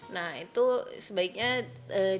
nah itu sebaiknya jangan